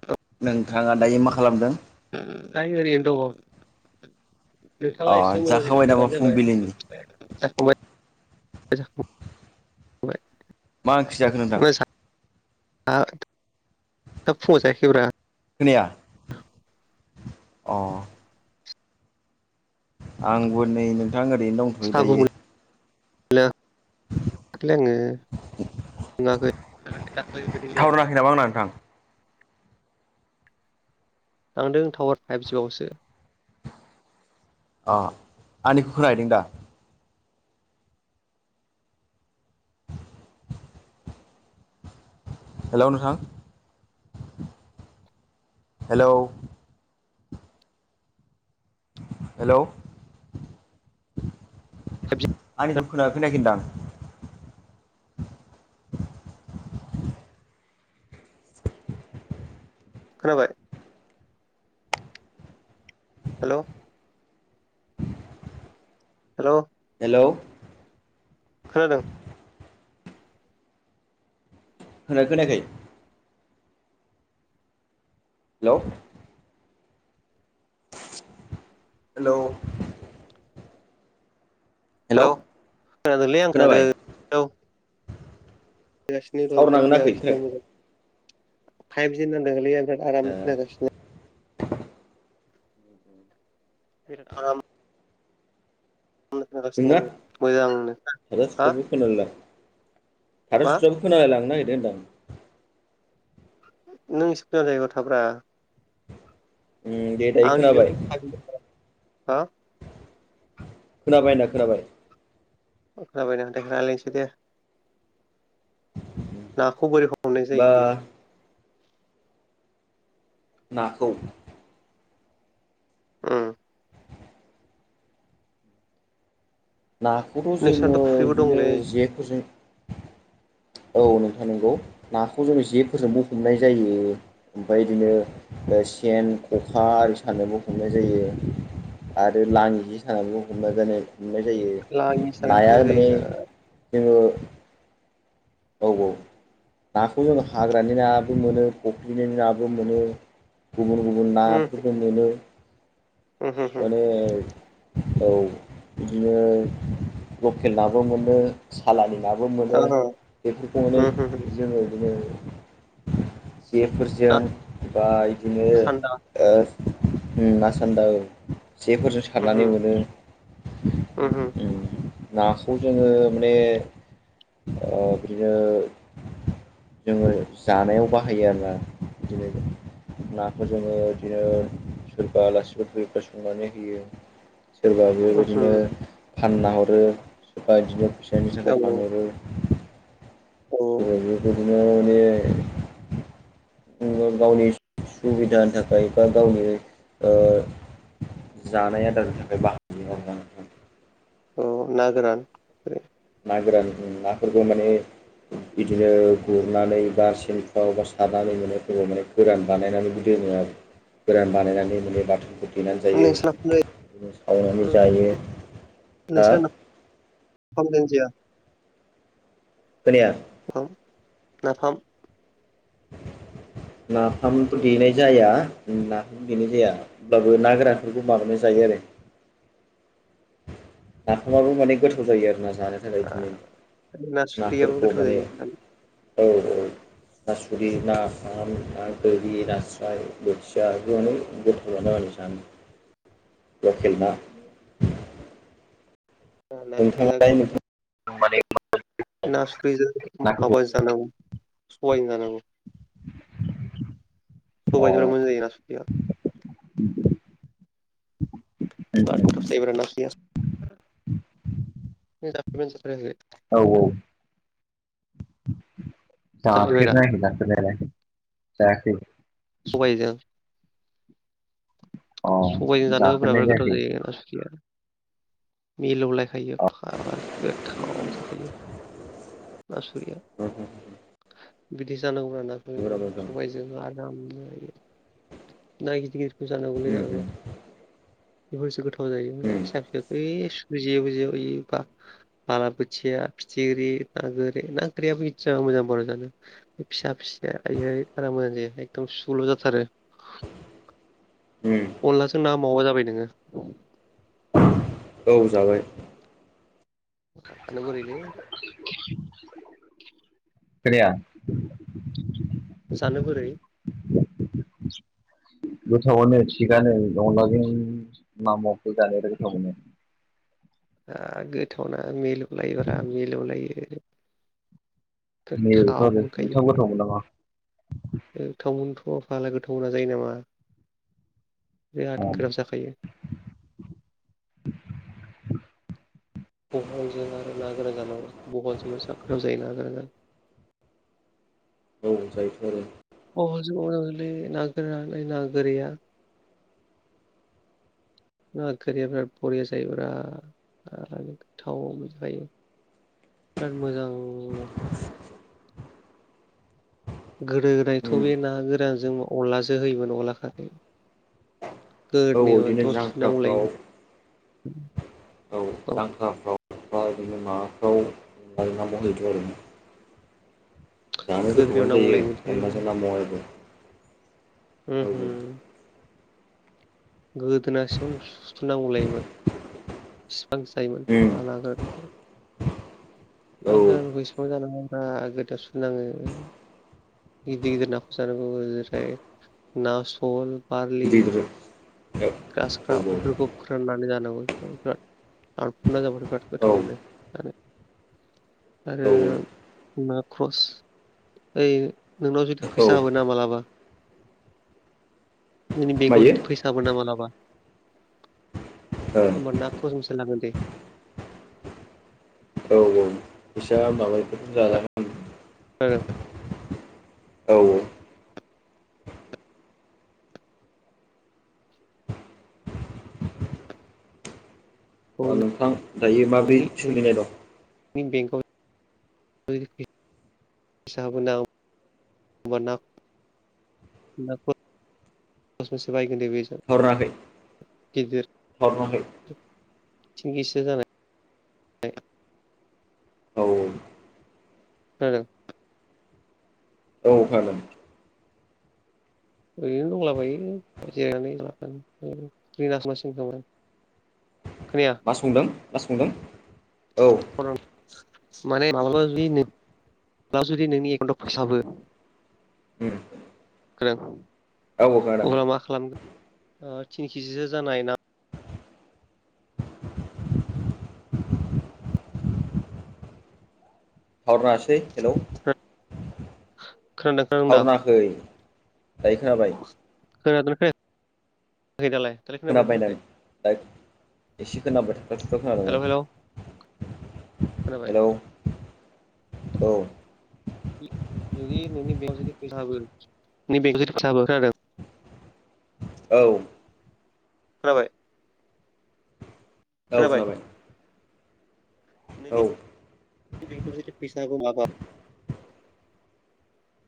औ। नोंथाङा दायो मा खालामदों? आं ओरैनो दङ। नोंथाङा अ एसे मोजां जाखाबाय नामा जबानो जाबाय फुंबिलिनि जाखांबाय। [unintelligible] मा ओंख्रि जाखो नोंथां [unintelligible] दा फुंयाव जायाखैब्रा खोनाया। अ आंबो नै नोंथां ओरैनो दंथ'यो दायो। दाखलै आङो नङाखै। [unintelligible] थावार नाङाखै नामा आंना नोंथा? नांदों टावार फाइभजिआवसो अ आंनिखौ खोनाहैदों दा। हेल' नोंथां। हेलौ। हेलौ फाइभजि आंनिखौ खोनादोंना खोनाखै होंदां खोनाबाय। हेलौ हेल' हेलौ खोनादों। खोनादोंना खोनायाखै। हेलौ। हेलौ। हेलौ हेल' खोनादोंलै आं खोनाबाय खोनादों औ। खोगासिनो थावर र'निफ्राय नांदों ना नाङाखै खोनागासिनों खोनाखै मोजां फाइभज होन न दलैया बिराद आरामनो ए खोनागासिनो आराम। थांगासिनो नोंना आङो मोजांनो हा खोनायला हार मा सुराबो खोनालाय लांनो नागिरदों होनदां आं नों सकु जायगायाव थाब्रा। उम दे। दायो आंनि खोनाबाय बेयावथ' [unintelligible] खोनाबाय ना खोनाबाय। खोनाबायना नोंथां? रायलायनोसै दे। नाखौ बोरै हमनाय बा जायों नाखौ उम। नाखौथ' जोङो नोंसिनाथ' फुख्रिबो बिदिनो दंलै जेफोरजों औ नोंथां नोंगौ नाखौ जोङो जेफोरजोंबो हमनाय जायो ओमफ्राय बिदिनो ओ सेन, ख'खा आरि सानोबो हमनाय जायो। आरो लांङि जि सानानैबो हमना जानाय हमनाय जायो। लाङि सानानै नाया हमनाय माने जायो जोंङो औ - औ नाखौ जों हाग्रानि नाबो मोनो फख्रिनि नाबो मोनो। गुबुन - गुबुन उम नाफोरबो मोनो उमहो हो माने। औ बिदिनो लकेल नाबो मोनो। सालानि नाबो मोनो। ओहो बेफोरखौ माने उमहो हो जोङो बिदिनो जेफोर जों ना बा बिदिनो सान्दा ओ उम ना सान्दा औ। जेफोरजों उमहो सारनानै मोनो। उमहो नाखौ जोङो माने ओ बिदिनो जोङो जानायाव बाहायो आरोना बिदिनो नाखौ जोङो बिदिनो सोरबा आलासिफोर फैयोब्ला संनानै होयो। सोरबा उमहो बेबायदिनो फानना हरो सोरबा बिदिनो फैसानि थाखाय औ फानहरो। औ सोरबा बेबायदिनो माने गावनि सुबिदानि थाखाय बा गावनि ओ जानाय आदारनि थाखाय बां [unintelligible] औ ना गोरान ना गोरान नाफोरखौ माने बिदिनो गुरनानै बा सेनफ्राव बा सानानै मोनोव माने गोरान बानायनानैबो दोनो आरो। गोरान बानायनानै मोने बाथोनखौ देनानै जायो नोंस्रा बिदिनो सावनानै उम जायो हो नोंस्रा [unintelligible] खोनाया नाफाम नाफामथ' देनाय जाया नाफाम देनाय जाया होमब्लाबो ना गोरानफोरखौ माबाना जायो आरो। नाफामाबो माने गोथाव जायो आरो ना जानो थाखाय बिदिनो नाफाम नासुरियाबो नाफोरखौ गोथाव माने जायो औ - औ। नासुरि, नाफाम, ना गोरि, नास्राय, बोथिया बे अनेक बेनो आरो जानो बे लखेल ना नासुरि नोंथाङा नों माने [unintelligible] ना सुखैजों माबाजों जानांगौ सबायजों जानांगौ। अ सबायफोरजों मोजां जायों ना सुरिया। [inaudible] [unintelligible] औ-औ। जाफेरबाय दा जाफेर नायाखै जाफेरनायालाय‌ जाखै। सबायजों अ सबायजों जानो जाफेरनाय जायाखै [unintelligible] मिलौलायखायो [unintelligible] गोथाव जाखायो। नासुरिया नंगौ बिदि जानांगौ आरो ना नामा नोंथां सबायजों। जों आरामनो ना गिदिर गिदिरखौ जानांगौलै। उम बेफोरसो गोथाव जायो ना उम फिसा फिसाखौ यै सु जेव जेवबा। बालाबोथिया, फिथिख्रि, ना गोरि, ना गोरियाबो इसे मोजां बरिया' जानो। फिसा फिसायाहाय बारा मोजां जाया एखदम सुल' जाथारो। उम अनलाजों ना माववा जाबाय नोङो? औ जाबाय। बोरैलै [inaudible] खोनाया। जानो बोरै गोथावानो थिगानो अनलाजों नामावाखौ जानो आरो गोथाव मोनो। ओ गोथावना मिलौलायोब्रा मिलौलायो। नैबेथ' गोथाव आरो मोनखायो। नोंथाङाबो गोथाव मोनो नामा गोथावमोनथ फाला गोथाव नोङा जायो नामा बिराद गोराब अ जाखायो। बहलजों आरो ना गोरान जानांगौ बहलजोंबो जा गोथाव जायो ना गोराना। औ जायोथ' आरो। अनलाजों अलै ना गोरा ना गोरैया। ना गोरिया बिराद बरिया जायोब्रा, बिराद गोथाव मोनजाखायो। बिराद मोजांनो। गोदो गोदायथ' उम बे ना गोरानजों अनलासो होयोमोन अनला खारै। औ बिदिनो गोदनायावथ सुनांगौ जांख्राफ्राव लायो। औ जांख्राफ्राव बा बिदिनो माबाफ्राव ओमफ्राय मा मावहैदो आरो। जानो गोदोनायाव गोथावानो नांगौ जायो लायोमोनलै उम अनलाजों ना माववायजों। ओम होम। गोदोनासेबांनो सुथ'नांगौलायोमोन बिसिबां उम जायोमोन औ मागा मुगा एसेबां जानाङाब्रा गोदोनायाव सु नाङो। गिदिर गिदिर नाखौसो जानांगौ ना सल, बारलि, गिदिर गिदिर औ गासफ्रा औ बेफोरखौ फोराननानै जानांगौ बेखौ बिराद आरफुना जाबाथाय बिराद गोथाव औ मोनो आरो। औ आरो ना ख्रस ओइ नोंनाव जुदि औ फैसा होबोना मालाबा जोंनि बेंकआव मायो जुदि फैसा हाबोना मालाबा औ होनबाना दजनसे लांगोन दे। औ औ। फैसा माबाफोरजों जानानै। हेलौ औ औ। औ [inaudible] नोंथां दायो माब्रै सोलिनाय दं मैन बेंकआव। [unintelligible] [inaudible] [unintelligible] हराखै। गिदिर थिन खिजिसो जानाय। औ खोनादों औ फानो। ओरैनो दंलाबायो जिरायनानै। [unintelligible] खोनया मा संदों मा संदों? औ [unintelligible] दा जुदि नोंनि एकाउन्टाव फैसा उम हाबो औ औ खोनादों अब्ला मा खालामगोन थिन केजिसो जानाय ना थावार नाङासै हेल' [unintelligible] थावार नाङाखै दायो खोनाबाय खोनादोंना खोनायाखै दालाय दालाय खोनाबायना खोनायाखै खोनादोंमोन दा एसे खोनादों थाथ' थाथ' हेलौ हेलौ खोनादोंमोन खोनाबाय हेलौ औ जुदि नोंनि बेंक जुदि खोथाबो नोंनि बेंखौ जुदि खोथाबो औ खोनाबाय औ खोनाबाय औ नैबे [unintelligible]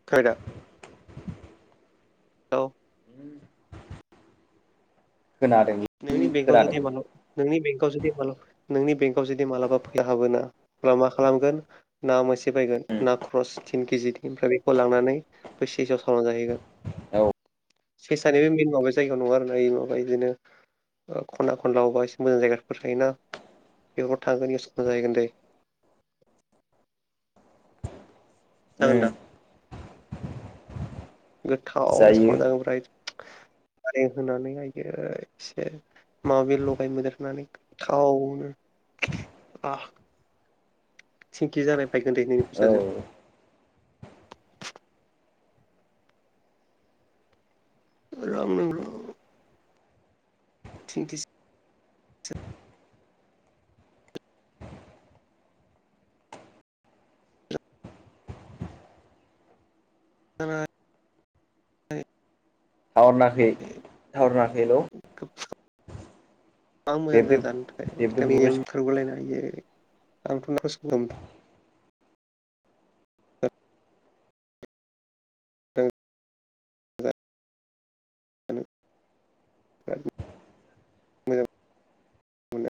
खोनाबाय [unintelligible] खोनादों नोंनि जि बेंगआव खोनादों जुदि [unintelligible] नोंनि बेंकआव जुदि नोंनि बेंकआव जुदि मालाबा फैसा हाबोना अब्ला मा खालामगोन ना मोनसे बायगोन ना क्रस थिन केजिनि ओमफ्राय बेखौ लांनानै आव सावनानै जाहैगोन औ सेसानि बे मेन माबा जायगायाव नङा आरोना माबा बिदिनो खना खनला अबेबा एसे मोजां जायगाफोर थायोना बेफोरखौ थांगोन इउस मोजां जाहैगोन दे जागोन दा उम गोथावनो जायो संना जानांगौब्रा नारें होनानै आयै एसे माबि लगाय मोनदेर होनानै गोथावनो औ [unintelligible] [unintelligible] थिन खिजि [unintelligible] थावार नाङाखै थावार नाङाखै हेलौ गोबां मोजां बेब्रे जादों जानो थाखाय दा बेब्रे बुब्रे बेनि थारगलायनो हायो आंथ' [unintelligible] सम [unintelligible] [unintelligible] मोनो